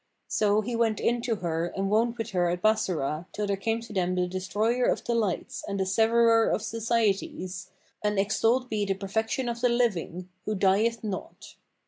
So he went in to her and woned with her at Bassorah till there came to them the Destroyer of delights and the Severer of societies; and extolled be the perfection of the Living, who dieth not!